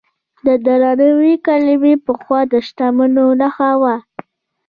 د درناوي کلمې پخوا د شتمنو نښه وه.